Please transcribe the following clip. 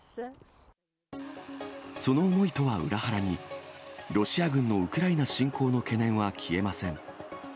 その思いとは裏腹に、ロシア軍のウクライナ侵攻の懸念は消えません。